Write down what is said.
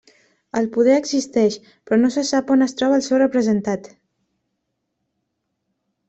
El poder existeix, però no se sap on es troba el seu representat.